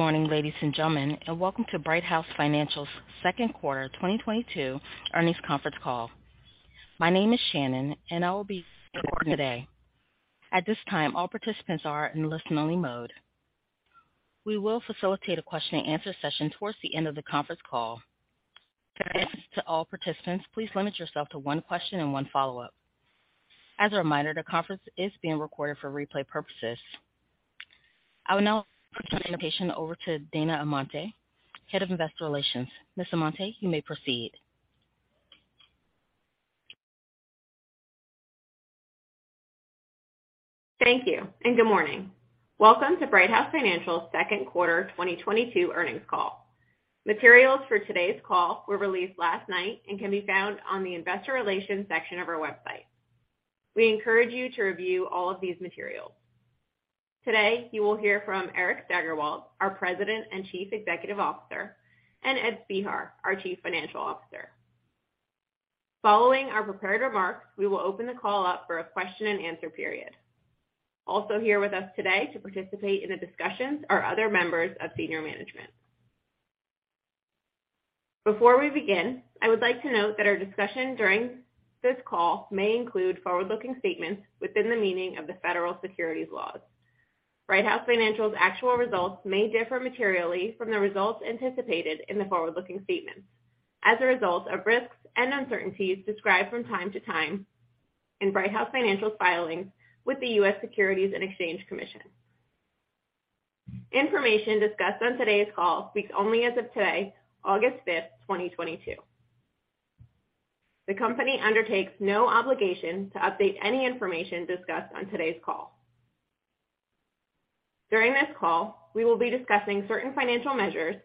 Good morning, ladies and gentlemen, and welcome to Brighthouse Financial's second quarter 2022 earnings conference call. My name is Shannon, and I will be your coordinator today. At this time, all participants are in listen-only mode. We will facilitate a question-and answer session towards the end of the conference call. A request to all participants, please limit yourself to one question and one follow-up. As a reminder, the conference is being recorded for replay purposes. I will now turn the presentation over to Dana Amante, Head of Investor Relations. Ms. Amante, you may proceed. Thank you and good morning. Welcome to Brighthouse Financial's second quarter 2022 earnings call. Materials for today's call were released last night and can be found on the investor relations section of our website. We encourage you to review all of these materials. Today, you will hear from Eric Steigerwalt, our President and Chief Executive Officer, and Edward Spehar, our Chief Financial Officer. Following our prepared remarks, we will open the call up for a question-and-answer period. Also here with us today to participate in the discussions are other members of senior management. Before we begin, I would like to note that our discussion during this call may include forward-looking statements within the meaning of the federal securities laws. Brighthouse Financial's actual results may differ materially from the results anticipated in the forward-looking statements as a result of risks and uncertainties described from time to time in Brighthouse Financial's filings with the U.S. Securities and Exchange Commission. Information discussed on today's call speaks only as of today, August 5th, 2022. The company undertakes no obligation to update any information discussed on today's call. During this call, we will be discussing certain financial measures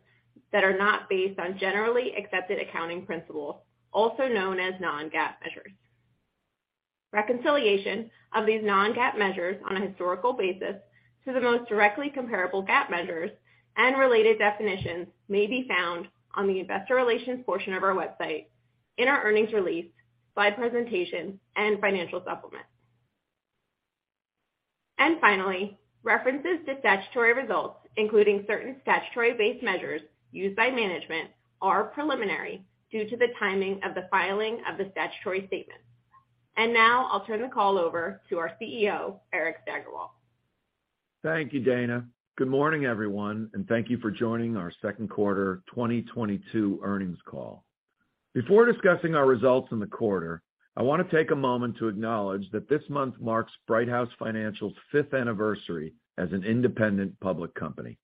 that are not based on generally accepted accounting principles, also known as non-GAAP measures. Reconciliation of these non-GAAP measures on a historical basis to the most directly comparable GAAP measures and related definitions may be found on the investor relations portion of our website in our earnings release, slide presentation, and financial supplement. Finally, references to statutory results, including certain statutory-based measures used by management, are preliminary due to the timing of the filing of the statutory statements. Now I'll turn the call over to our CEO, Eric Steigerwalt. Thank you, Dana. Good morning, everyone, and thank you for joining our second quarter 2022 earnings call. Before discussing our results in the quarter, I want to take a moment to acknowledge that this month marks Brighthouse Financial's fifth anniversary as an independent public company.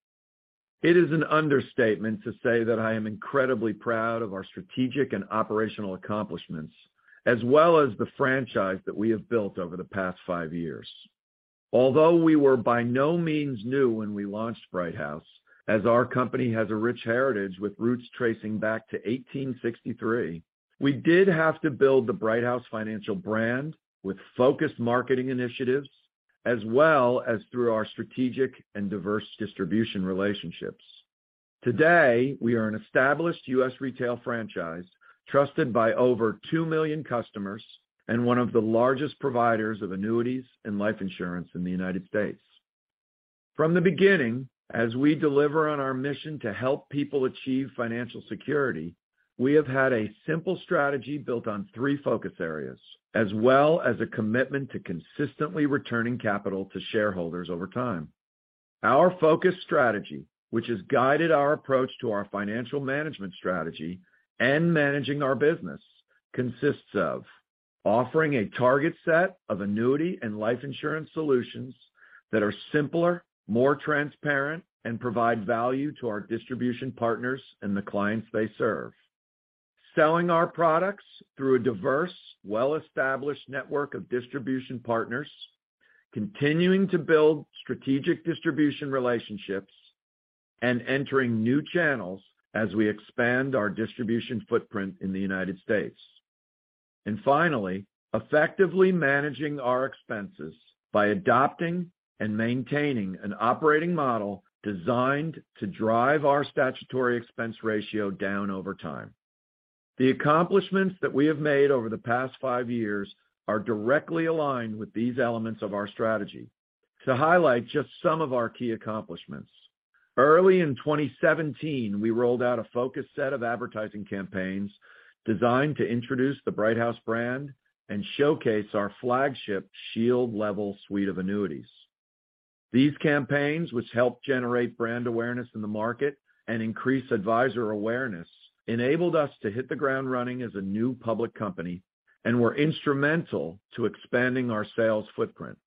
It is an understatement to say that I am incredibly proud of our strategic and operational accomplishments, as well as the franchise that we have built over the past five years. Although we were by no means new when we launched Brighthouse, as our company has a rich heritage with roots tracing back to 1863, we did have to build the Brighthouse Financial brand with focused marketing initiatives as well as through our strategic and diverse distribution relationships. Today, we are an established U.S. retail franchise trusted by over 2 million customers and one of the largest providers of annuities and life insurance in the United States. From the beginning, as we deliver on our mission to help people achieve financial security, we have had a simple strategy built on three focus areas, as well as a commitment to consistently returning capital to shareholders over time. Our focus strategy, which has guided our approach to our financial management strategy and managing our business, consists of offering a target set of annuity and life insurance solutions that are simpler, more transparent, and provide value to our distribution partners and the clients they serve. Selling our products through a diverse, well-established network of distribution partners. Continuing to build strategic distribution relationships and entering new channels as we expand our distribution footprint in the United States. Finally, effectively managing our expenses by adopting and maintaining an operating model designed to drive our statutory expense ratio down over time. The accomplishments that we have made over the past five years are directly aligned with these elements of our strategy. To highlight just some of our key accomplishments, early in 2017, we rolled out a focused set of advertising campaigns designed to introduce the Brighthouse brand and showcase our flagship Shield Level suite of annuities. These campaigns, which helped generate brand awareness in the market and increase advisor awareness, enabled us to hit the ground running as a new public company and were instrumental to expanding our sales footprint.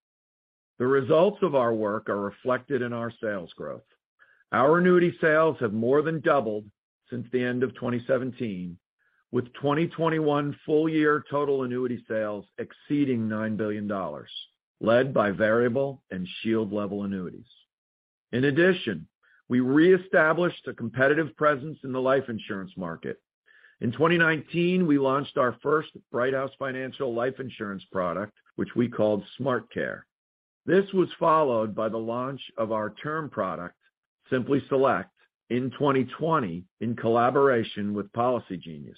The results of our work are reflected in our sales growth. Our annuity sales have more than doubled since the end of 2017, with 2021 full year total annuity sales exceeding $9 billion, led by variable and Shield Level annuities. In addition, we reestablished a competitive presence in the life insurance market. In 2019, we launched our first Brighthouse Financial life insurance product, which we called SmartCare. This was followed by the launch of our term product, SimplySelect, in 2020 in collaboration with Policygenius.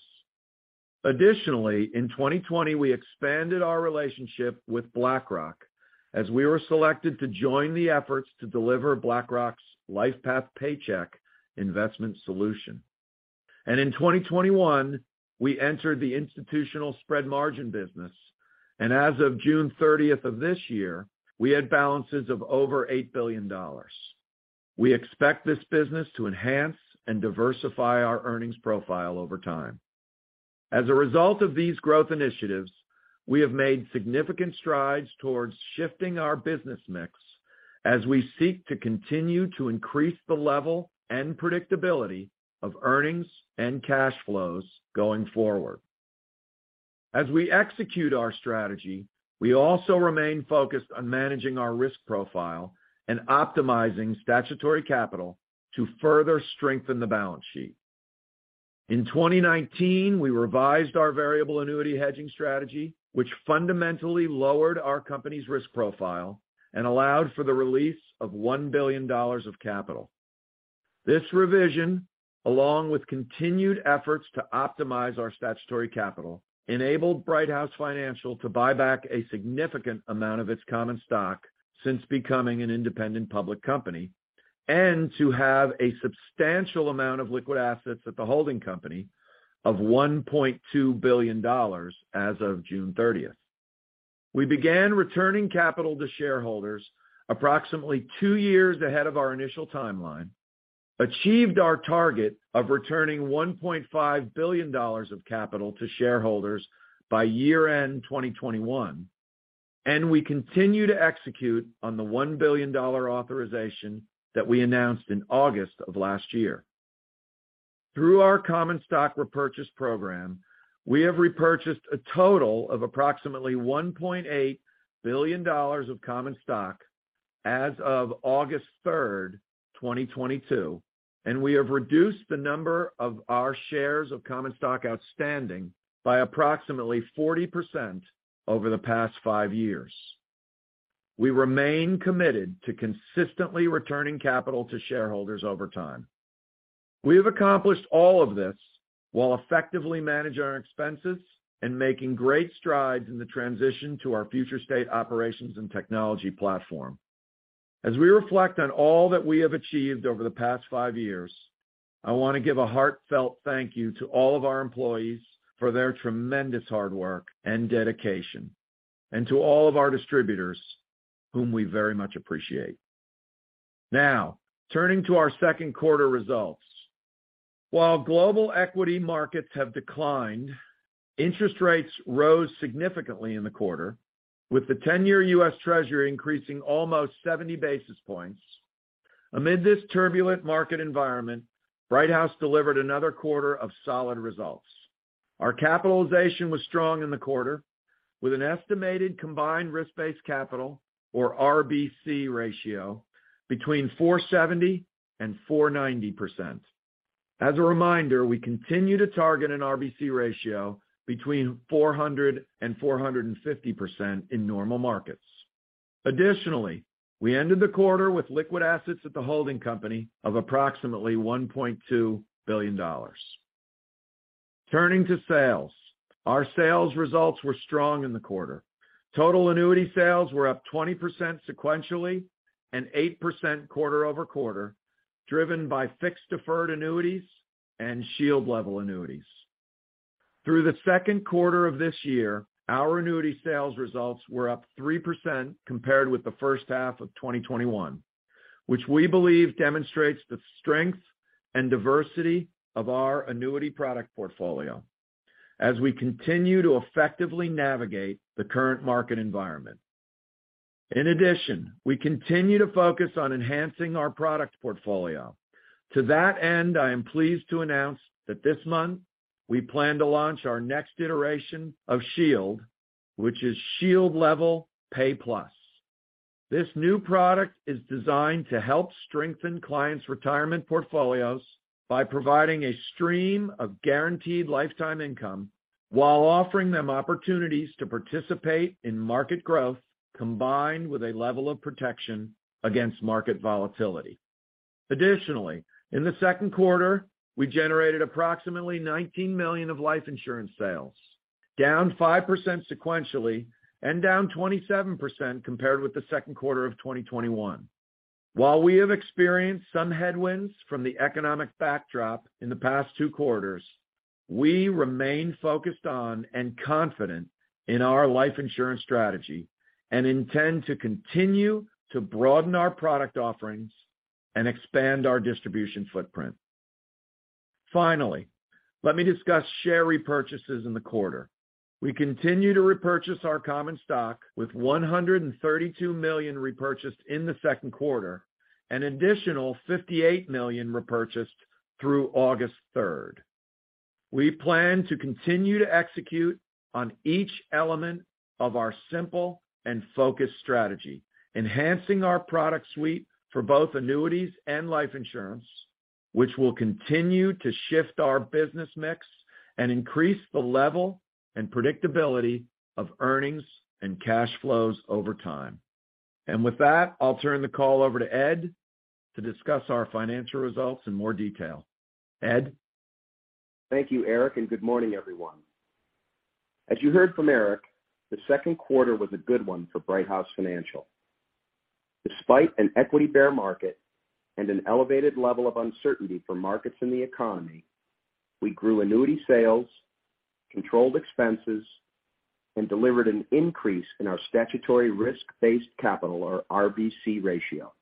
Additionally, in 2020, we expanded our relationship with BlackRock as we were selected to join the efforts to deliver BlackRock's LifePath Paycheck investment solution. In 2021, we entered the institutional spread margin business. As of June 30th of this year, we had balances of over $8 billion. We expect this business to enhance and diversify our earnings profile over time. As a result of these growth initiatives, we have made significant strides towards shifting our business mix as we seek to continue to increase the level and predictability of earnings and cash flows going forward. As we execute our strategy, we also remain focused on managing our risk profile and optimizing statutory capital to further strengthen the balance sheet. In 2019, we revised our variable annuity hedging strategy, which fundamentally lowered our company's risk profile and allowed for the release of $1 billion of capital. This revision, along with continued efforts to optimize our statutory capital, enabled Brighthouse Financial to buy back a significant amount of its common stock since becoming an independent public company, and to have a substantial amount of liquid assets at the holding company of $1.2 billion as of June 30th. We began returning capital to shareholders approximately two years ahead of our initial timeline, achieved our target of returning $1.5 billion of capital to shareholders by year-end 2021, and we continue to execute on the $1 billion authorization that we announced in August of last year. Through our common stock repurchase program, we have repurchased a total of approximately $1.8 billion of common stock as of August 3rd, 2022, and we have reduced the number of our shares of common stock outstanding by approximately 40% over the past five years. We remain committed to consistently returning capital to shareholders over time. We have accomplished all of this while effectively manage our expenses and making great strides in the transition to our future state operations and technology platform. As we reflect on all that we have achieved over the past five years, I want to give a heartfelt thank you to all of our employees for their tremendous hard work and dedication, and to all of our distributors whom we very much appreciate. Now, turning to our second quarter results. While global equity markets have declined, interest rates rose significantly in the quarter, with the 10-year U.S. Treasury increasing almost 70 basis points. Amid this turbulent market environment, Brighthouse delivered another quarter of solid results. Our capitalization was strong in the quarter with an estimated combined risk-based capital, or RBC ratio between 470% and 490%. As a reminder, we continue to target an RBC ratio between 400% and 450% in normal markets. Additionally, we ended the quarter with liquid assets at the holding company of approximately $1.2 billion. Turning to sales. Our sales results were strong in the quarter. Total annuity sales were up 20% sequentially and 8% quarter-over-quarter, driven by fixed deferred annuities and Shield Level annuities. Through the second quarter of this year, our annuity sales results were up 3% compared with the first half of 2021, which we believe demonstrates the strength and diversity of our annuity product portfolio as we continue to effectively navigate the current market environment. In addition, we continue to focus on enhancing our product portfolio. To that end, I am pleased to announce that this month, we plan to launch our next iteration of Shield, which is Shield Level Pay Plus. This new product is designed to help strengthen clients' retirement portfolios by providing a stream of guaranteed lifetime income while offering them opportunities to participate in market growth combined with a level of protection against market volatility. Additionally, in the second quarter, we generated approximately $19 million of life insurance sales, down 5% sequentially and down 27% compared with the second quarter of 2021. While we have experienced some headwinds from the economic backdrop in the past two quarters, we remain focused on and confident in our life insurance strategy and intend to continue to broaden our product offerings and expand our distribution footprint. Finally, let me discuss share repurchases in the quarter. We continue to repurchase our common stock with $132 million repurchased in the second quarter, an additional $58 million repurchased through August 3rd. We plan to continue to execute on each element of our simple and focused strategy, enhancing our product suite for both annuities and life insurance, which will continue to shift our business mix and increase the level and predictability of earnings and cash flows over time. With that, I'll turn the call over to Ed to discuss our financial results in more detail. Ed? Thank you, Eric, and good morning, everyone. As you heard from Eric, the second quarter was a good one for Brighthouse Financial. Despite an equity bear market and an elevated level of uncertainty for markets in the economy, we grew annuity sales, controlled expenses, and delivered an increase in our statutory risk-based capital or RBC ratio.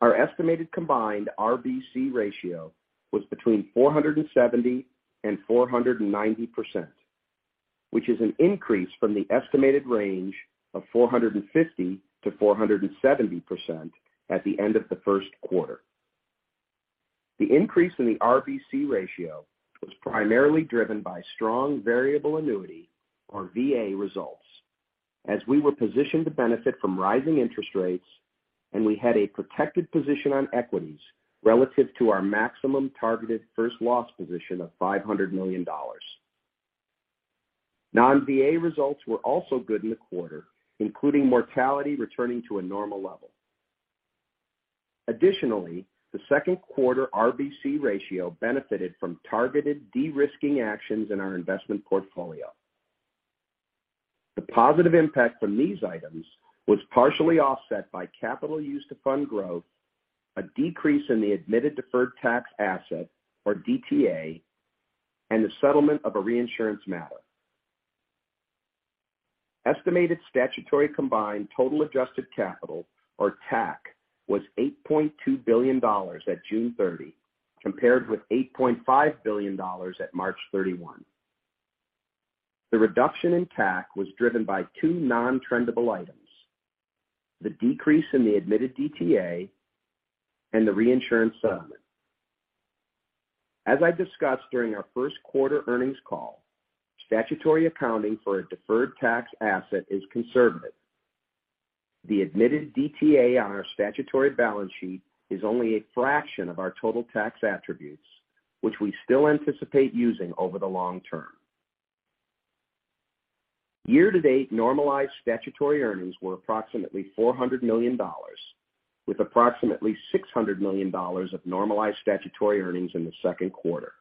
Our estimated combined RBC ratio was between 470% and 490%, which is an increase from the estimated range of 450%-470% at the end of the first quarter. The increase in the RBC ratio was primarily driven by strong variable annuity or VA results as we were positioned to benefit from rising interest rates, and we had a protected position on equities relative to our maximum targeted first loss position of $500 million. Non-VA results were also good in the quarter, including mortality returning to a normal level. Additionally, the second quarter RBC ratio benefited from targeted de-risking actions in our investment portfolio. The positive impact from these items was partially offset by capital used to fund growth, a decrease in the admitted deferred tax asset or DTA, and the settlement of a reinsurance matter. Estimated statutory combined total adjusted capital or TAC was $8.2 billion at June 30, compared with $8.5 billion at March 31. The reduction in TAC was driven by two non-trendable items, the decrease in the admitted DTA and the reinsurance settlement. As I discussed during our first quarter earnings call, statutory accounting for a deferred tax asset is conservative. The admitted DTA on our statutory balance sheet is only a fraction of our total tax attributes, which we still anticipate using over the long-term. Year-to-date normalized statutory earnings were approximately $400 million, with approximately $600 million of normalized statutory earnings in the second quarter.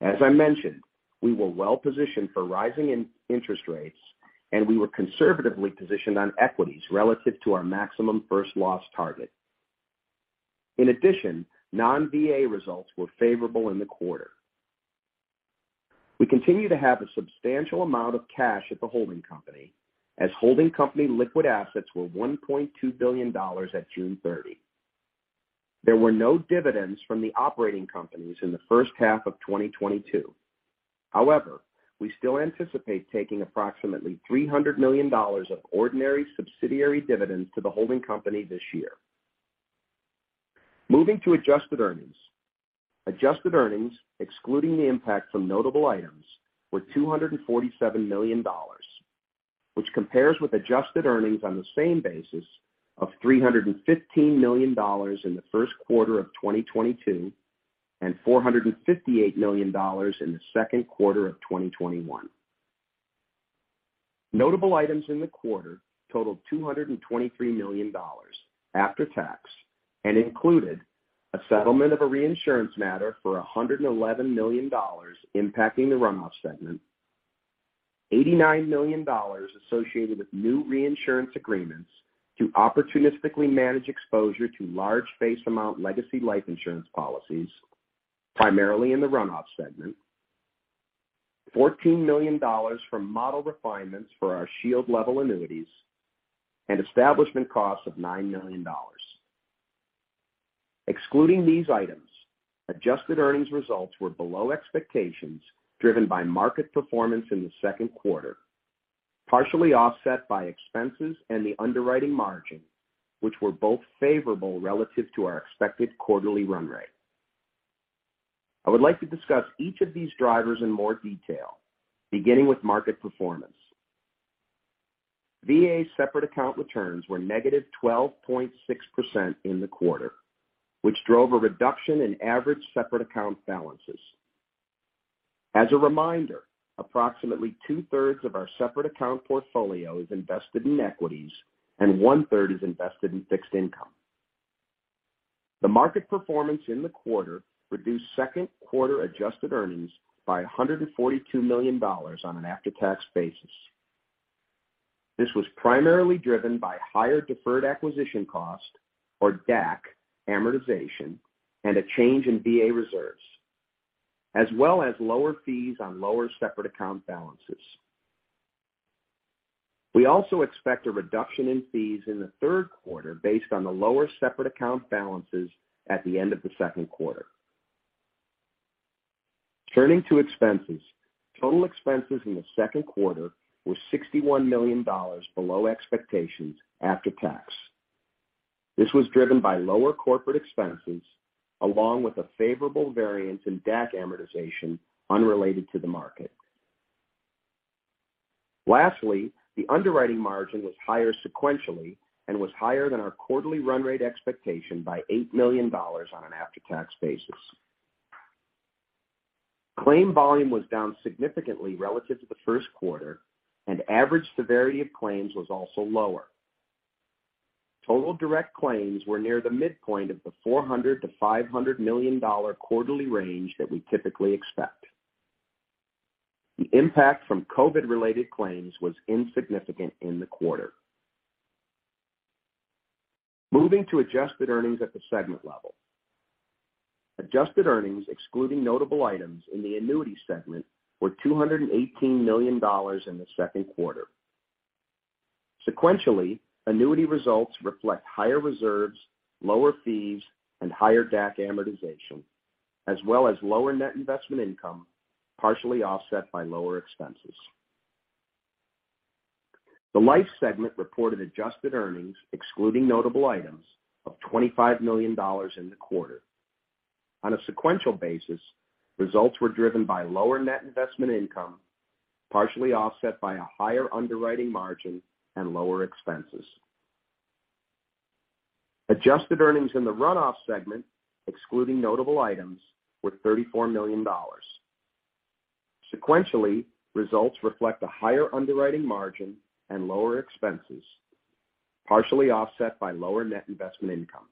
As I mentioned, we were well positioned for rising interest rates, and we were conservatively positioned on equities relative to our maximum first loss target. In addition, non-VA results were favorable in the quarter. We continue to have a substantial amount of cash at the holding company, as holding company liquid assets were $1.2 billion at June 30. There were no dividends from the operating companies in the first half of 2022. However, we still anticipate taking approximately $300 million of ordinary subsidiary dividends to the holding company this year. Moving to adjusted earnings. Adjusted earnings, excluding the impact from notable items, were $247 million, which compares with adjusted earnings on the same basis of $315 million in the first quarter of 2022 and $458 million in the second quarter of 2021. Notable items in the quarter totaled $223 million after tax and included a settlement of a reinsurance matter for $111 million impacting the Run-off segment, $89 million associated with new reinsurance agreements to opportunistically manage exposure to large face amount legacy life insurance policies, primarily in the Run-off segment, $14 million from model refinements for our Shield Level annuities, and establishment costs of $9 million. Excluding these items, adjusted earnings results were below expectations driven by market performance in the second quarter, partially offset by expenses and the underwriting margin, which were both favorable relative to our expected quarterly run rate. I would like to discuss each of these drivers in more detail, beginning with market performance. VA separate account returns were -12.6% in the quarter, which drove a reduction in average separate account balances. As a reminder, approximately 2/3 of our separate account portfolio is invested in equities, and 1/3 is invested in fixed income. The market performance in the quarter reduced second-quarter adjusted earnings by $142 million on an after-tax basis. This was primarily driven by higher deferred acquisition cost, or DAC, amortization and a change in VA reserves, as well as lower fees on lower separate account balances. We also expect a reduction in fees in the third quarter based on the lower separate account balances at the end of the second quarter. Turning to expenses. Total expenses in the second quarter were $61 million below expectations after tax. This was driven by lower corporate expenses along with a favorable variance in DAC amortization unrelated to the market. Lastly, the underwriting margin was higher sequentially and was higher than our quarterly run rate expectation by $8 million on an after-tax basis. Claim volume was down significantly relative to the first quarter, and average severity of claims was also lower. Total direct claims were near the midpoint of the $400 million-$500 million quarterly range that we typically expect. The impact from COVID-related claims was insignificant in the quarter. Moving to adjusted earnings at the segment level. Adjusted earnings, excluding notable items in the annuity segment, were $218 million in the second quarter. Sequentially, annuity results reflect higher reserves, lower fees, and higher DAC amortization, as well as lower net investment income, partially offset by lower expenses. The life segment reported adjusted earnings, excluding notable items of $25 million in the quarter. On a sequential basis, results were driven by lower net investment income, partially offset by a higher underwriting margin and lower expenses. Adjusted earnings in the run-off segment, excluding notable items, were $34 million. Sequentially, results reflect a higher underwriting margin and lower expenses, partially offset by lower net investment income.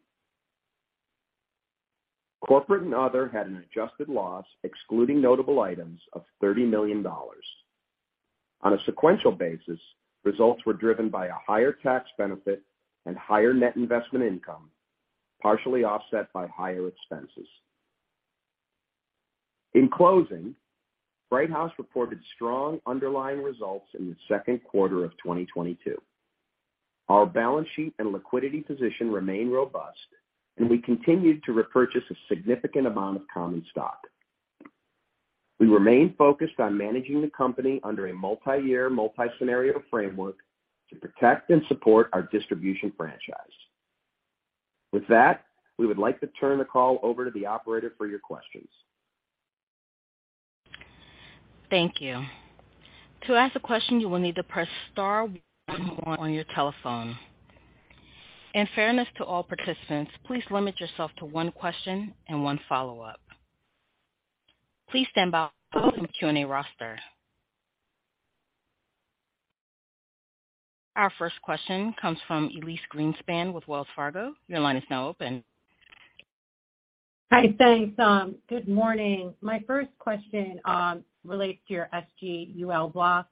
Corporate and other had an adjusted loss, excluding notable items of $30 million. On a sequential basis, results were driven by a higher tax benefit and higher net investment income, partially offset by higher expenses. In closing, Brighthouse reported strong underlying results in the second quarter of 2022. Our balance sheet and liquidity position remain robust, and we continued to repurchase a significant amount of common stock. We remain focused on managing the company under a multi-year, multi-scenario framework to protect and support our distribution franchise. With that, we would like to turn the call over to the operator for your questions. Thank you. To ask a question, you will need to press star-one-one on your telephone. In fairness to all participants, please limit yourself to one question and one follow-up. Please stand by while I go through the Q&A roster. Our first question comes from Elyse Greenspan with Wells Fargo. Your line is now open. Hi, thanks. Good morning. My first question relates to your ULSG block.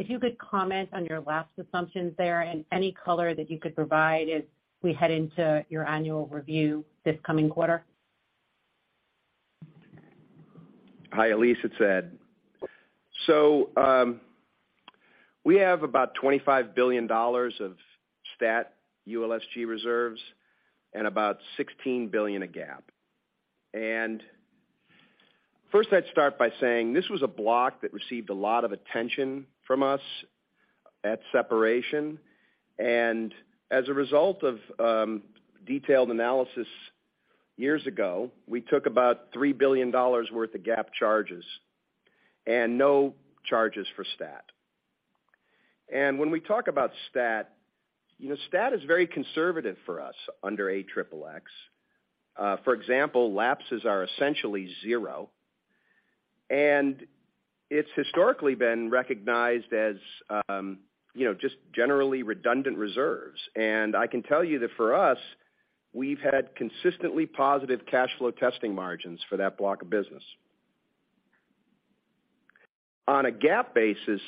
If you could comment on your lapse assumptions there and any color that you could provide as we head into your annual review this coming quarter. Hi, Elyse, it's Ed. We have about $25 billion of stat ULSG reserves and about $16 billion of GAAP. First, I'd start by saying this was a block that received a lot of attention from us at separation. As a result of detailed analysis years ago, we took about $3 billion worth of GAAP charges and no charges for stat. When we talk about stat, you know, stat is very conservative for us under AXXX. For example, lapses are essentially zero, and it's historically been recognized as, you know, just generally redundant reserves. I can tell you that for us, we've had consistently positive cash flow testing margins for that block of business. On a GAAP basis,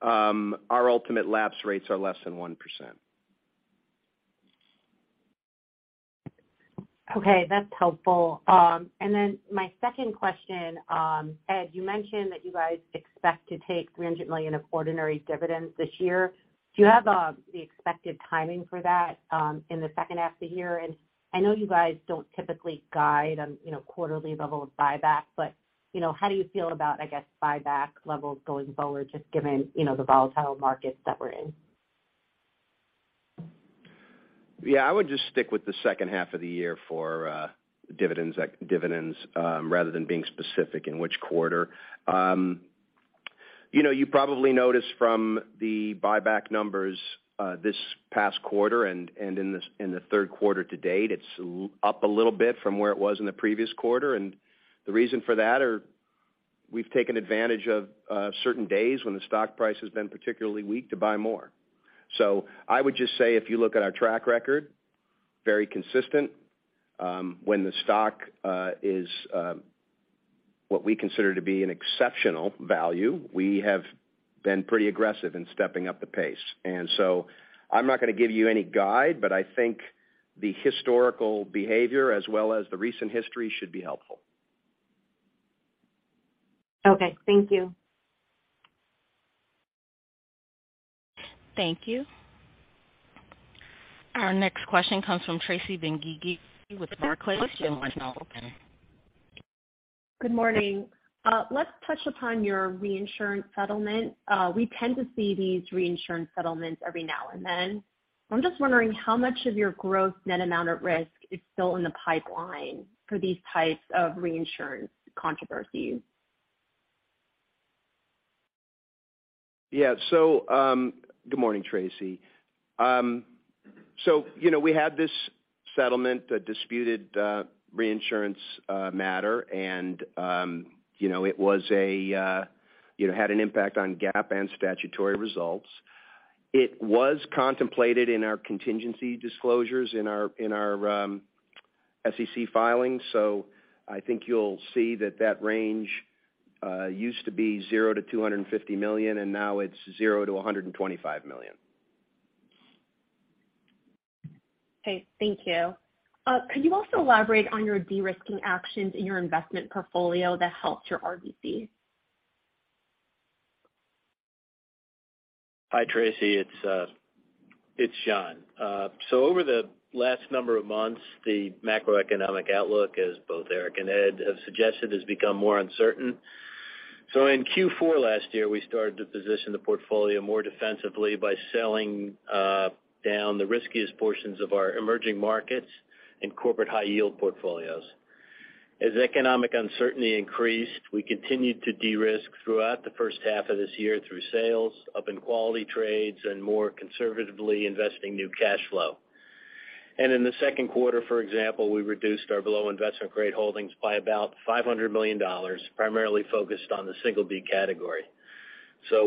our ultimate lapse rates are less than 1%. Okay, that's helpful. My second question, Ed, you mentioned that you guys expect to take $300 million of ordinary dividends this year. Do you have the expected timing for that in the second half of the year? I know you guys don't typically guide on, you know, quarterly level of buyback, but, you know, how do you feel about, I guess, buyback levels going forward, just given, you know, the volatile markets that we're in? Yeah, I would just stick with the second half of the year for dividends rather than being specific in which quarter. You know, you probably noticed from the buyback numbers this past quarter and in the third quarter to date, it's up a little bit from where it was in the previous quarter. The reason for that are we've taken advantage of certain days when the stock price has been particularly weak to buy more. I would just say if you look at our track record, very consistent. When the stock is what we consider to be an exceptional value, we have been pretty aggressive in stepping up the pace. I'm not going to give you any guide, but I think the historical behavior as well as the recent history should be helpful. Okay, thank you. Thank you. Our next question comes from Tracy Benguigui with Barclays. Your line is now open. Good morning. Let's touch upon your reinsurance settlement. We tend to see these reinsurance settlements every now and then. I'm just wondering how much of your gross net amount at risk is still in the pipeline for these types of reinsurance controversies? Yeah. Good morning, Tracy. You know, we had this settlement, a disputed reinsurance matter. You know, it had an impact on GAAP and statutory results. It was contemplated in our contingency disclosures in our SEC filings. I think you'll see that range used to be $0-$250 million, and now it's $0-$125 million. Okay, thank you. Could you also elaborate on your de-risking actions in your investment portfolio that helped your RBC? Hi, Tracy, it's John. Over the last number of months, the macroeconomic outlook, as both Eric and Ed have suggested, has become more uncertain. In Q4 last year, we started to position the portfolio more defensively by selling down the riskiest portions of our emerging markets and corporate high yield portfolios. As economic uncertainty increased, we continued to de-risk throughout the first half of this year through sales, up in quality trades, and more conservatively investing new cash flow. In the second quarter, for example, we reduced our below investment grade holdings by about $500 million, primarily focused on the single B category.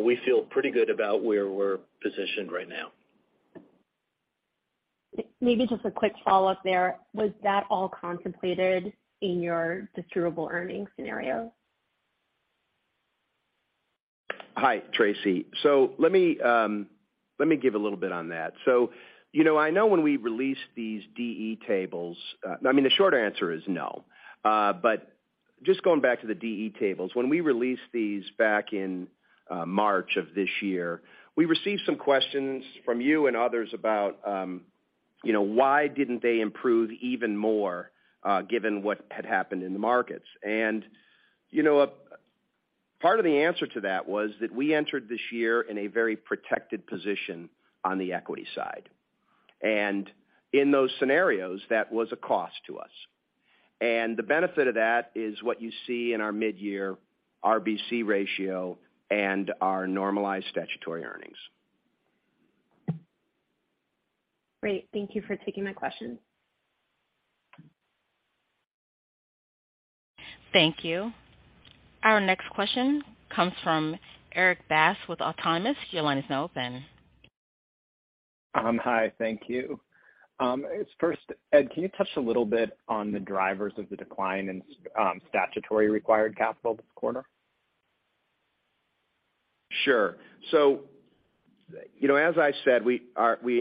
We feel pretty good about where we're positioned right now. Maybe just a quick follow-up there. Was that all contemplated in your distributable earnings scenario? Hi, Tracy. Let me give a little bit on that. You know, I know when we release these DE tables, I mean, the short answer is no. Just going back to the DE tables, when we released these back in March of this year, we received some questions from you and others about, you know, why didn't they improve even more given what had happened in the markets? You know, part of the answer to that was that we entered this year in a very protected position on the equity side. In those scenarios, that was a cost to us. The benefit of that is what you see in our mid-year RBC ratio and our normalized statutory earnings. Great. Thank you for taking my question. Thank you. Our next question comes from Erik Bass with Autonomous. Your line is now open. Hi, thank you. First, Ed, can you touch a little bit on the drivers of the decline in statutory required capital this quarter? Sure. You know, as I said, we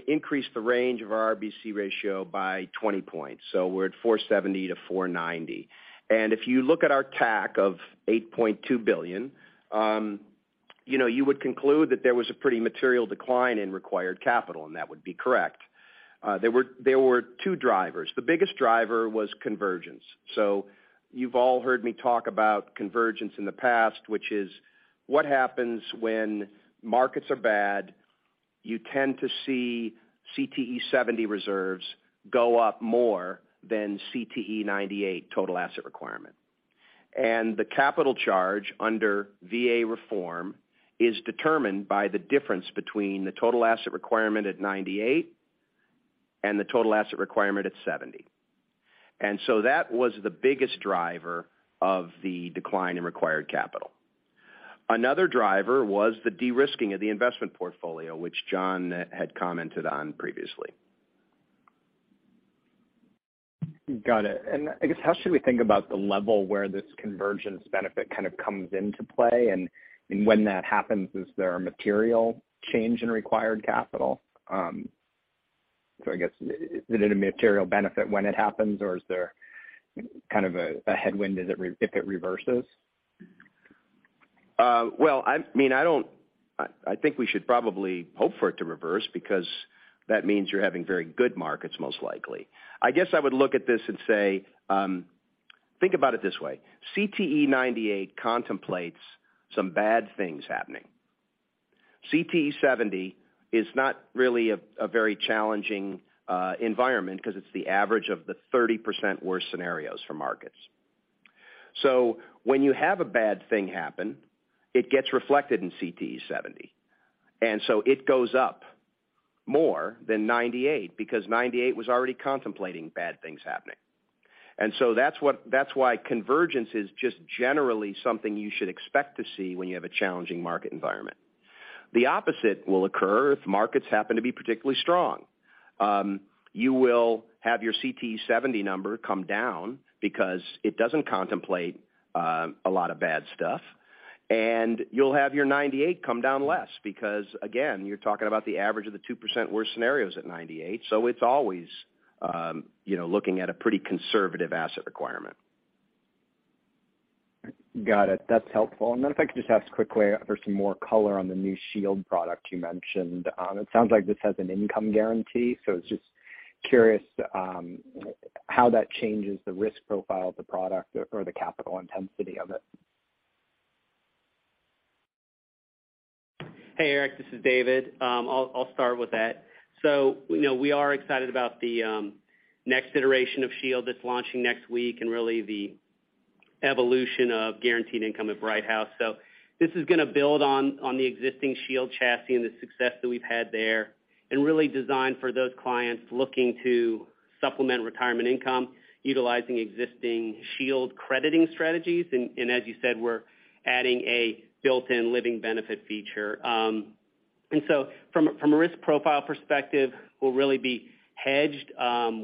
increased the range of our RBC ratio by 20 points, so we're at 470% to 490%. If you look at our TAC of $8.2 billion, you know, you would conclude that there was a pretty material decline in required capital, and that would be correct. There were two drivers. The biggest driver was convergence. You've all heard me talk about convergence in the past, which is what happens when markets are bad, you tend to see CTE 70 reserves go up more than CTE 98 total asset requirement. The capital charge under VA Reform is determined by the difference between the total asset requirement at CTE 98 and the total asset requirement at CTE 70. That was the biggest driver of the decline in required capital. Another driver was the de-risking of the investment portfolio, which John had commented on previously. Got it. I guess how should we think about the level where this convergence benefit kind of comes into play? When that happens, is there a material change in required capital? I guess, is it a material benefit when it happens, or is there kind of a headwind as if it reverses? Well, I mean, I think we should probably hope for it to reverse because that means you're having very good markets, most likely. I guess I would look at this and say, think about it this way, CTE 98 contemplates some bad things happening. CTE 70 is not really a very challenging environment because it's the average of the 30% worst scenarios for markets. When you have a bad thing happen, it gets reflected in CTE 70, and so it goes up more than CTE 98 because CTE 98 was already contemplating bad things happening. That's why convergence is just generally something you should expect to see when you have a challenging market environment. The opposite will occur if markets happen to be particularly strong. You will have your CTE 70 number come down because it doesn't contemplate a lot of bad stuff, and you'll have your CTE 98 come down less because, again, you're talking about the average of the 2% worst scenarios at CTE 98. It's always, you know, looking at a pretty conservative asset requirement. Got it. That's helpful. If I could just ask quickly for some more color on the new Shield product you mentioned. It sounds like this has an income guarantee, so I'm just curious how that changes the risk profile of the product or the capital intensity of it. Hey, Erik, this is David. I'll start with that. You know, we are excited about the next iteration of Shield that's launching next week, and really the evolution of guaranteed income at Brighthouse. This is going to build on the existing Shield chassis and the success that we've had there, and really designed for those clients looking to supplement retirement income utilizing existing Shield crediting strategies. As you said, we're adding a built-in living benefit feature. From a risk profile perspective, we'll really be hedged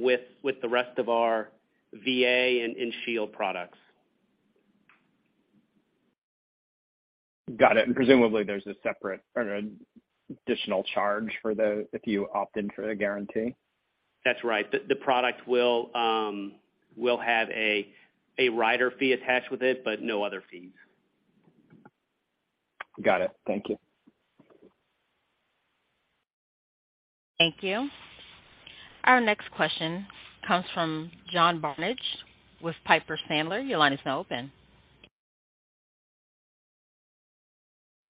with the rest of our VA and Shield products. Got it. Presumably there's a separate or an additional charge for the, if you opt in for the guarantee? That's right. The product will have a rider fee attached with it, but no other fees. Got it. Thank you. Thank you. Our next question comes from John Barnidge with Piper Sandler. Your line is now open.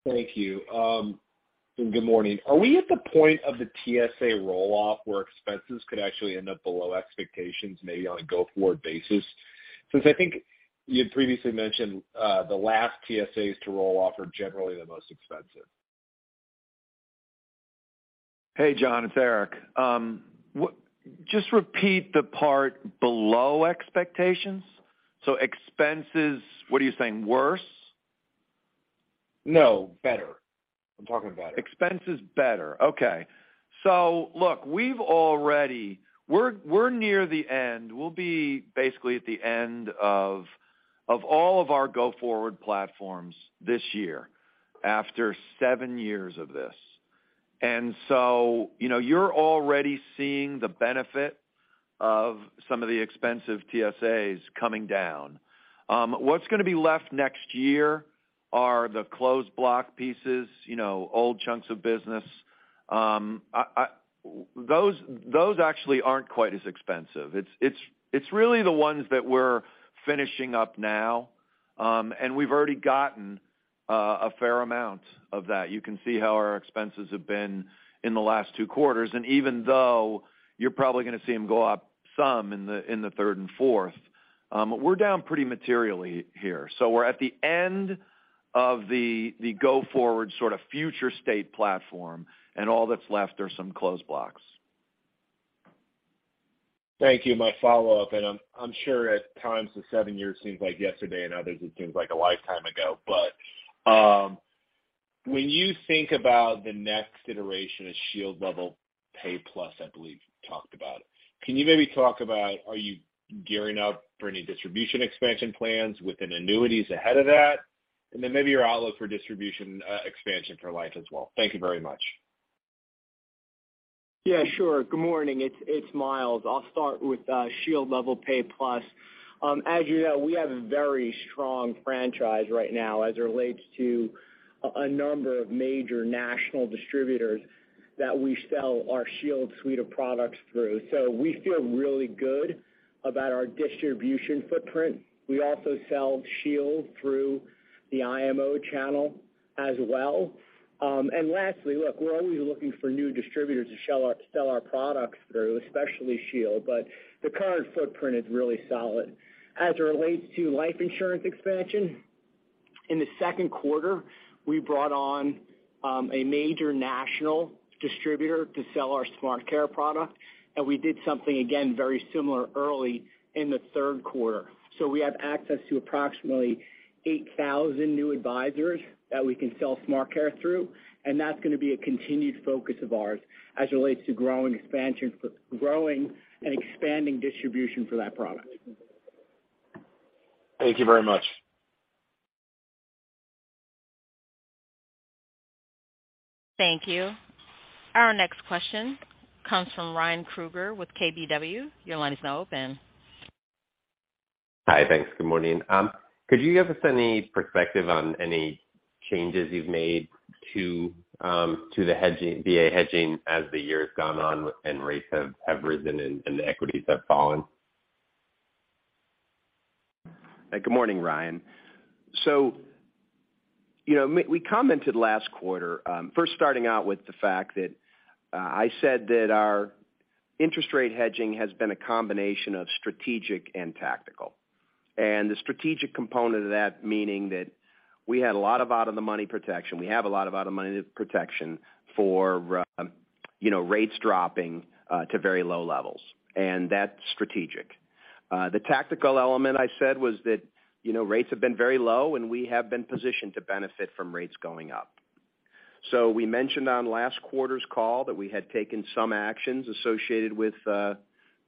Thank you. Good morning. Are we at the point of the TSA roll-off where expenses could actually end up below expectations, maybe on a go-forward basis? Since I think you had previously mentioned, the last TSAs to roll off are generally the most expensive. Hey, John, it's Eric. Just repeat the part below expectations. Expenses, what are you saying? Worse? No, better. I'm talking about better. Expenses better. Okay. Look, we're near the end. We'll be basically at the end of all of our go-forward platforms this year after seven years of this. You know, you're already seeing the benefit of some of the expensive TSAs coming down. What's going to be left next year are the closed block pieces, you know, old chunks of business. Those actually aren't quite as expensive. It's really the ones that we're finishing up now, and we've already gotten a fair amount of that. You can see how our expenses have been in the last two quarters. Even though you're probably going to see them go up some in the third and fourth, we're down pretty materially here. We're at the end of the go-forward sort of future state platform, and all that's left are some closed blocks. Thank you. My follow-up, I'm sure at times the seven years seems like yesterday and others it seems like a lifetime ago. When you think about the next iteration of Shield Level Pay Plus, I believe you talked about, can you maybe talk about are you gearing up for any distribution expansion plans within annuities ahead of that? Maybe your outlook for distribution expansion for life as well. Thank you very much. Yeah, sure. Good morning. It's Myles. I'll start with Shield Level Pay Plus. As you know, we have a very strong franchise right now as it relates to a number of major national distributors that we sell our Shield suite of products through. So we feel really good about our distribution footprint. We also sell Shield through the IMO channel as well. Lastly, look, we're always looking for new distributors to sell our products through, especially Shield, but the current footprint is really solid. As it relates to life insurance expansion, in the second quarter, we brought on a major national distributor to sell our SmartCare product, and we did something again, very similar early in the third quarter. We have access to approximately 8,000 new advisors that we can sell SmartCare through, and that's going to be a continued focus of ours as it relates to growing and expanding distribution for that product. Thank you very much. Thank you. Our next question comes from Ryan Krueger with KBW. Your line is now open. Hi. Thanks. Good morning. Could you give us any perspective on any changes you've made to the VA hedging as the year has gone on and rates have risen and equities have fallen? Good morning, Ryan. You know, we commented last quarter, first starting out with the fact that I said that our interest rate hedging has been a combination of strategic and tactical. The strategic component of that, meaning that we had a lot of out-of-the-money protection. We have a lot of out-of-money protection for, you know, rates dropping to very low levels, and that's strategic. The tactical element I said was that, you know, rates have been very low, and we have been positioned to benefit from rates going up. We mentioned on last quarter's call that we had taken some actions associated with the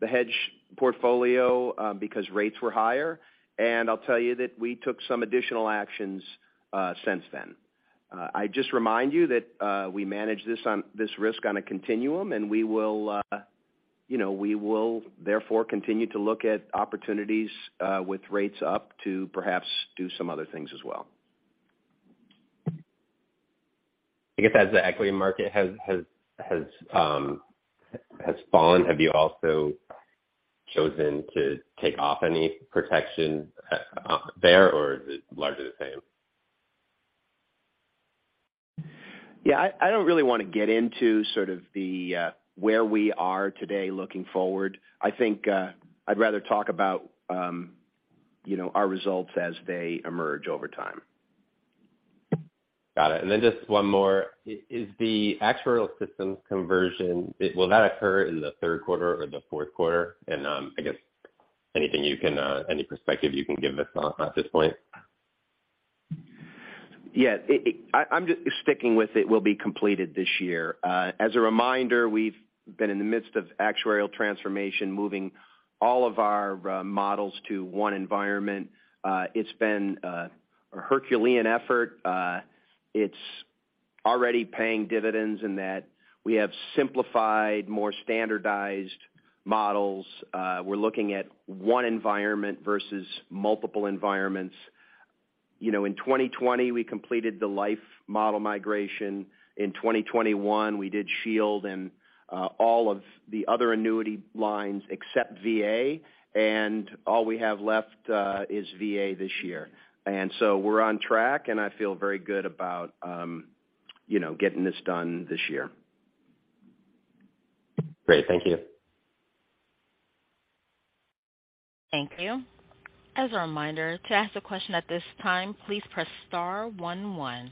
hedge portfolio, because rates were higher. I'll tell you that we took some additional actions since then. I just remind you that we manage this risk on a continuum, and we will, you know, therefore continue to look at opportunities with rates up to perhaps do some other things as well. I guess as the equity market has fallen, have you also chosen to take off any protection there, or is it largely the same? Yeah, I don't really want to get into sort of the where we are today looking forward. I think I'd rather talk about, you know, our results as they emerge over time. Got it. Just one more. Is the actuarial systems conversion will that occur in the third quarter or the fourth quarter? I guess anything you can, any perspective you can give us on, at this point? Yeah. I'm just sticking with it will be completed this year. As a reminder, we've been in the midst of actuarial transformation, moving all of our models to one environment. It's been a Herculean effort. It's already paying dividends in that we have simplified more standardized models. We're looking at one environment versus multiple environments. You know, in 2020, we completed the life model migration. In 2021, we did Shield and all of the other annuity lines except VA, and all we have left is VA this year. We're on track, and I feel very good about, you know, getting this done this year. Great. Thank you. Thank you. As a reminder, to ask a question at this time, please press star-one-one.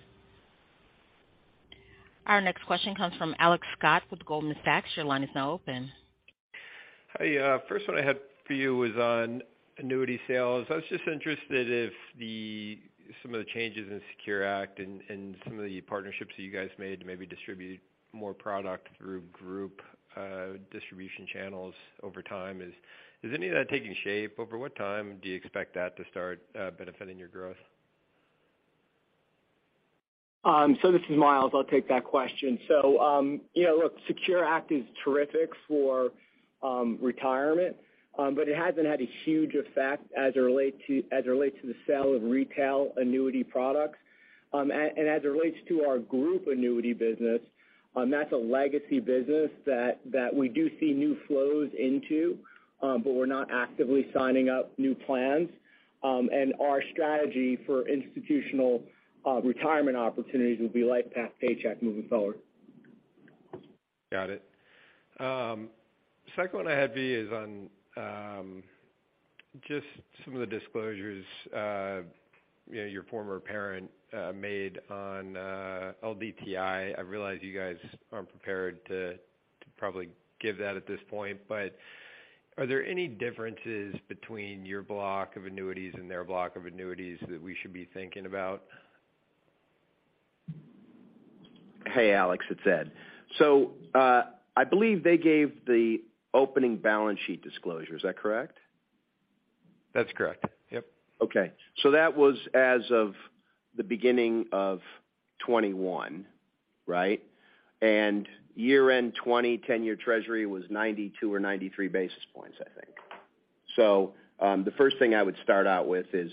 Our next question comes from Alex Scott with Goldman Sachs. Your line is now open. Hi. First one I had for you was on annuity sales. I was just interested if some of the changes in SECURE Act and some of the partnerships that you guys made to maybe distribute more product through group distribution channels over time, is any of that taking shape? Over what time do you expect that to start benefiting your growth? This is Myles. I'll take that question. You know, look, SECURE Act is terrific for retirement, but it hasn't had a huge effect as it relates to the sale of retail annuity products. As it relates to our group annuity business, that's a legacy business that we do see new flows into, but we're not actively signing up new plans. Our strategy for institutional retirement opportunities will be LifePath Paycheck moving forward. Got it. Second one I had for you is on just some of the disclosures, you know, your former parent made on LDTI. I realize you guys aren't prepared to probably give that at this point, but are there any differences between your block of annuities and their block of annuities that we should be thinking about? Hey, Alex, it's Ed. I believe they gave the opening balance sheet disclosure. Is that correct? That's correct. Yep. Okay. That was as of the beginning of 2021, right? Year-end 2020, 10-year treasury was 92 or 93 basis points, I think. The first thing I would start out with is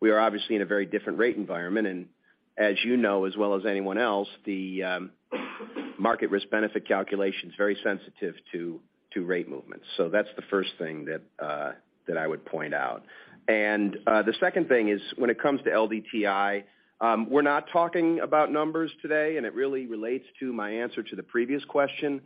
we are obviously in a very different rate environment, and as you know as well as anyone else, the market risk benefit calculation is very sensitive to rate movements. That's the first thing that I would point out. The second thing is when it comes to LDTI, we're not talking about numbers today, and it really relates to my answer to the previous question.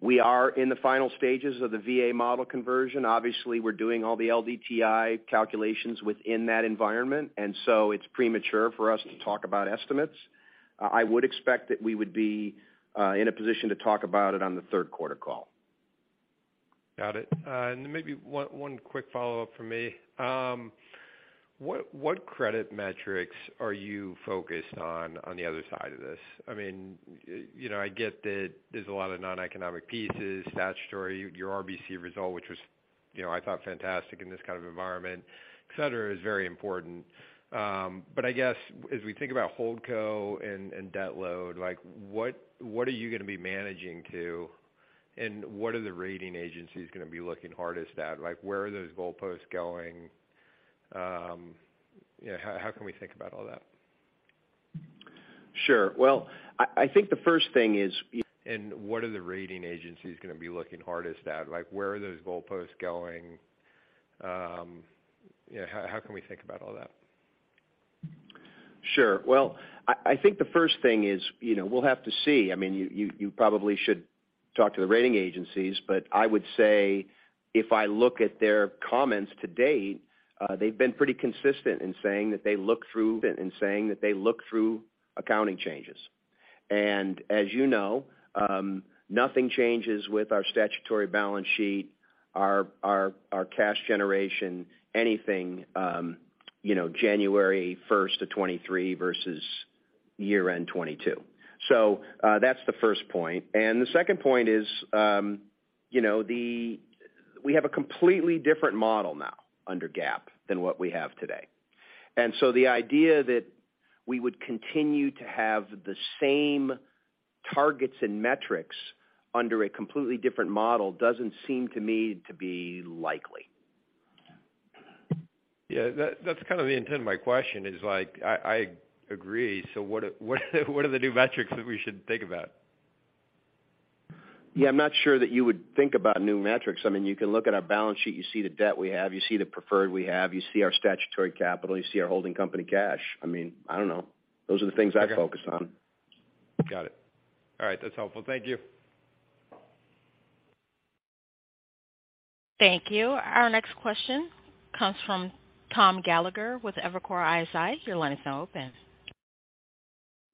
We are in the final stages of the VA model conversion. Obviously, we're doing all the LDTI calculations within that environment, and so it's premature for us to talk about estimates. I would expect that we would be in a position to talk about it on the third quarter call. Got it. Maybe one quick follow-up from me. What credit metrics are you focused on on the other side of this? I mean, you know, I get that there's a lot of non-economic pieces, statutory, your RBC result, which was, you know, I thought fantastic in this kind of environment, etc., is very important. I guess as we think about Holdco and debt load, like, what are you going to be managing to, and what are the rating agencies going to be looking hardest at? Like, where are those goalposts going? You know, how can we think about all that? Sure. Well, I think the first thing is, you know, we'll have to see. I mean, you probably should talk to the rating agencies, but I would say if I look at their comments to date, they've been pretty consistent in saying that they look through accounting changes. As you know, nothing changes with our statutory balance sheet, our cash generation, anything, you know, January 1st, 2023 versus year-end 2022. That's the first point. The second point is, you know, we have a completely different model now under GAAP than what we have today. The idea that we would continue to have the same targets and metrics under a completely different model doesn't seem to me to be likely. Yeah. That's kind of the intent of my question is, like, I agree. What are the new metrics that we should think about? Yeah, I'm not sure that you would think about new metrics. I mean, you can look at our balance sheet. You see the debt we have, you see the preferred we have, you see our statutory capital, you see our holding company cash. I mean, I don't know. Those are the things I'd focus on. Got it. All right, that's helpful. Thank you. Thank you. Our next question comes from Tom Gallagher with Evercore ISI. Your line is now open.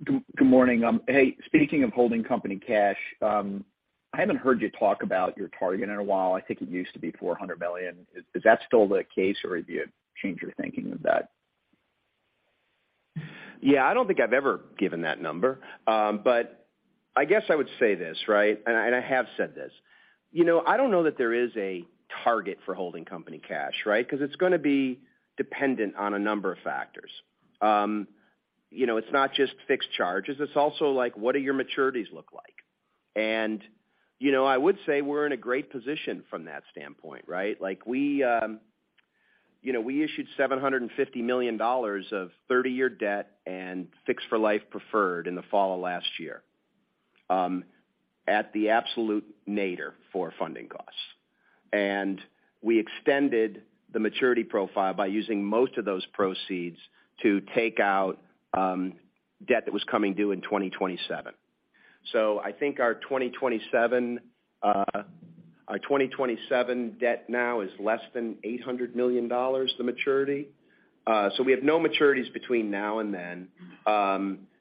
Good morning. Hey, speaking of holding company cash, I haven't heard you talk about your target in a while. I think it used to be $400 million. Is that still the case, or have you changed your thinking of that? Yeah, I don't think I've ever given that number. I guess I would say this, right? I have said this. You know, I don't know that there is a target for holding company cash, right? Because it's going to be dependent on a number of factors. You know, it's not just fixed charges, it's also like, what are your maturities look like? You know, I would say we're in a great position from that standpoint, right? Like we, you know, we issued $750 million of 30-year debt and fixed-for-life preferred in the fall of last year, at the absolute nadir for funding costs. We extended the maturity profile by using most of those proceeds to take out debt that was coming due in 2027. I think our 2027 debt now is less than $800 million, the maturity. We have no maturities between now and then.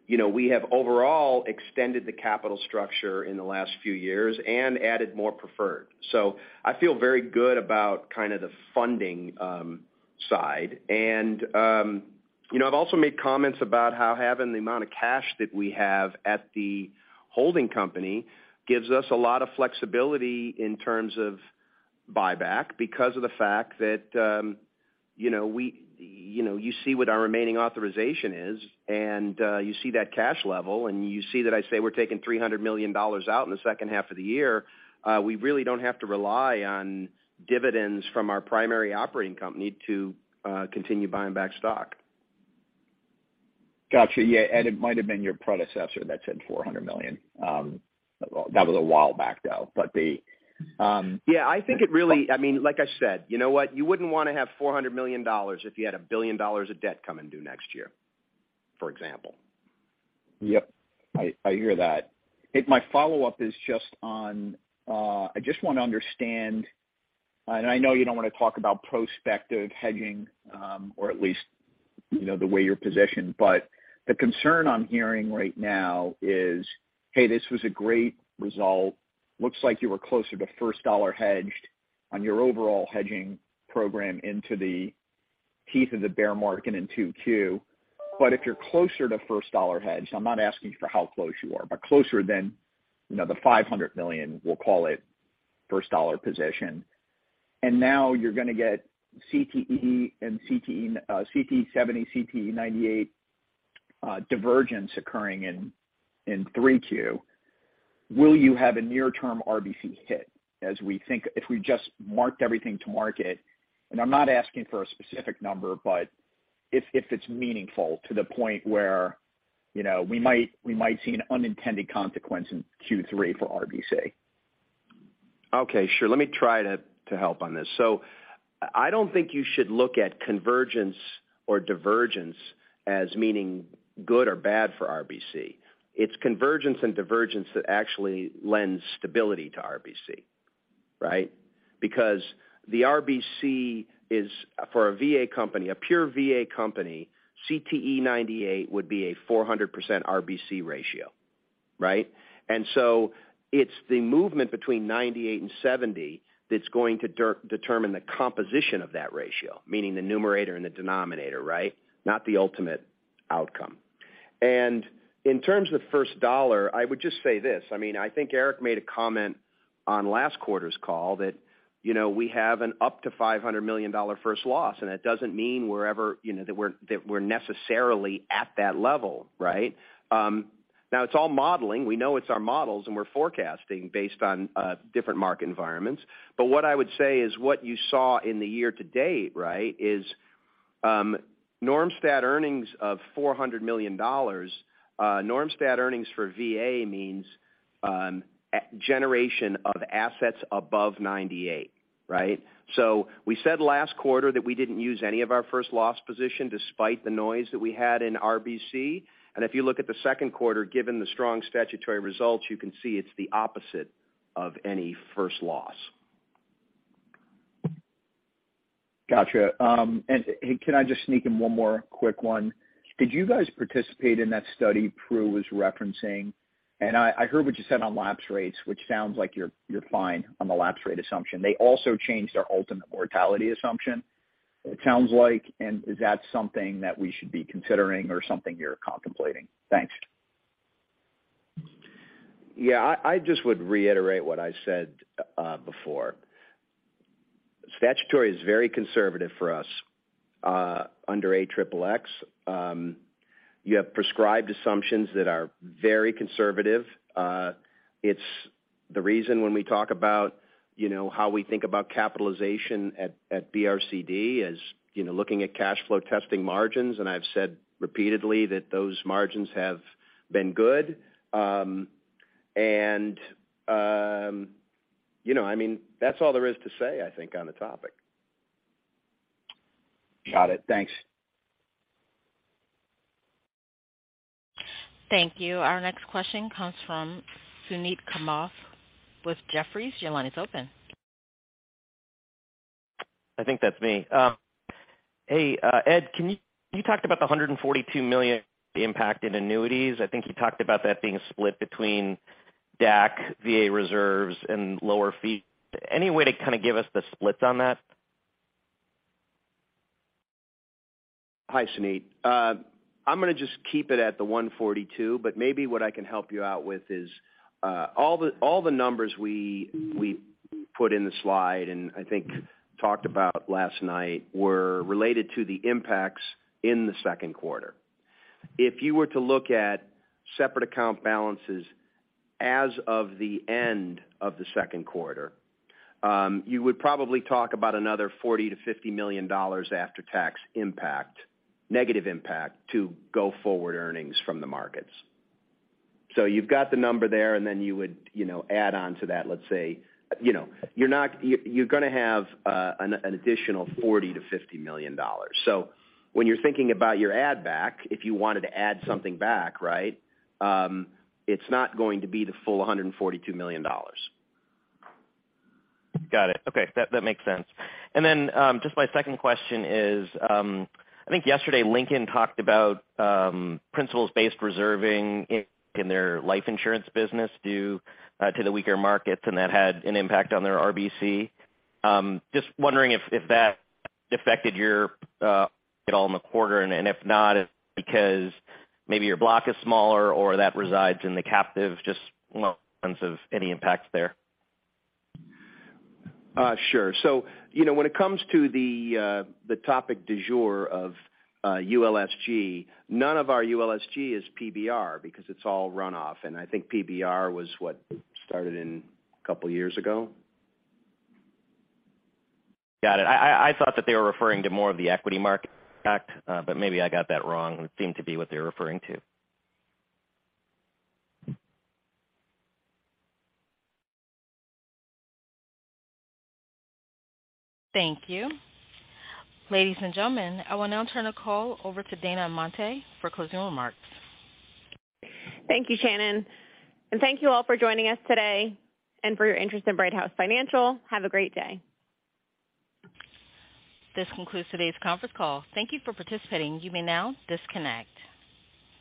You know, we have overall extended the capital structure in the last few years and added more preferred. I feel very good about kind of the funding side. You know, I've also made comments about how having the amount of cash that we have at the holding company gives us a lot of flexibility in terms of buyback because of the fact that, you know, you see what our remaining authorization is, and, you see that cash level, and you see that I say we're taking $300 million out in the second half of the year. We really don't have to rely on dividends from our primary operating company to continue buying back stock. Gotcha. Yeah, and it might have been your predecessor that said $400 million. That was a while back. Yeah, I think it really I mean, like I said, you know what? You wouldn't want to have $400 million if you had $1 billion of debt coming due next year, for example. Yep. I hear that. My follow-up is just on, I just want to understand, and I know you don't want to talk about prospective hedging, or at least, you know, the way you're positioned, but the concern I'm hearing right now is, hey, this was a great result. Looks like you were closer to first dollar hedged on your overall hedging program into the teeth of the bear market in 2022. But if you're closer to first dollar hedge, I'm not asking for how close you are, but closer than, you know, the $500 million, we'll call it first dollar position. And now you're going to get CTE 70, CTE 98, divergence occurring in 3Q. Will you have a near-term RBC hit as we think if we just marked everything to market? I'm not asking for a specific number, but if it's meaningful to the point where, you know, we might see an unintended consequence in Q3 for RBC. Okay, sure. Let me try to help on this. I don't think you should look at convergence or divergence as meaning good or bad for RBC. It's convergence and divergence that actually lends stability to RBC, right? Because the RBC is, for a pure VA company, CTE 98 would be a 400% RBC ratio, right? It's the movement between CTE 98 and CTE 70 that's going to determine the composition of that ratio, meaning the numerator and the denominator, right? Not the ultimate outcome. In terms of first dollar, I would just say this. I mean, I think Eric made a comment on last quarter's call that, you know, we have an up to $500 million first loss, and that doesn't mean we're ever, you know, that we're necessarily at that level, right? Now it's all modeling. We know it's our models, and we're forecasting based on different market environments. What I would say is what you saw in the year to date, right, is norm stat earnings of $400 million. Norm stat earnings for VA means generation of assets above CTE 98, right? We said last quarter that we didn't use any of our first loss position despite the noise that we had in RBC. If you look at the second quarter, given the strong statutory results, you can see it's the opposite of any first loss. Got you. Hey, can I just sneak in one more quick one? Did you guys participate in that study Pru was referencing? I heard what you said on lapse rates, which sounds like you're fine on the lapse rate assumption. They also changed their ultimate mortality assumption, it sounds like. Is that something that we should be considering or something you're contemplating? Thanks. Yeah, I just would reiterate what I said before. Statutory is very conservative for us under AXXX. You have prescribed assumptions that are very conservative. It's the reason when we talk about, you know, how we think about capitalization at BRCD is, you know, looking at cash flow testing margins, and I've said repeatedly that those margins have been good. You know, I mean, that's all there is to say, I think, on the topic. Got it. Thanks. Thank you. Our next question comes from Suneet Kamath with Jefferies. Your line is open. I think that's me. Ed, you talked about the $142 million impact in annuities. I think you talked about that being split between DAC, VA reserves, and lower fees. Any way to kind of give us the splits on that? Hi, Suneet. I'm going to just keep it at the $142 million, but maybe what I can help you out with is all the numbers we put in the slide and I think talked about last night were related to the impacts in the second quarter. If you were to look at separate account balances as of the end of the second quarter, you would probably talk about another $40 million, $50 million after tax impact, negative impact to go forward earnings from the markets. You've got the number there, and then you would add on to that let's say, you know, you're going to have an additional $40 million, $50 million. When you're thinking about your add back, if you wanted to add something back, right, it's not going to be the full $142 million. Got it. Okay. That makes sense. Just my second question is, I think yesterday Lincoln talked about principles-based reserving in their life insurance business due to the weaker markets, and that had an impact on their RBC. Just wondering if that affected yours at all in the quarter, and if not, is it because maybe your block is smaller or that resides in the captive, just want sense of any impacts there. Sure. You know, when it comes to the topic du jour of ULSG, none of our ULSG is PBR because it's all run-off. I think PBR was what started in a couple years ago. Got it. I thought that they were referring to more of the equity market impact, but maybe I got that wrong. It seemed to be what they were referring to. Thank you. Ladies and gentlemen, I will now turn the call over to Dana Amante for closing remarks. Thank you, Shannon. Thank you all for joining us today and for your interest in Brighthouse Financial. Have a great day. This concludes today's conference call. Thank you for participating. You may now disconnect.